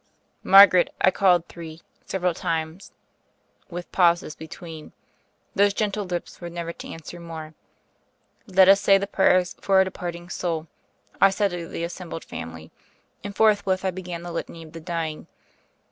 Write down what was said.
"Margaret," I called three, several times, with pauses between. Those gentle lips were never to answer more. "Let us say the prayers for a departing soul," I said to the assembled family, and forthwith I began the Litany for the Dying.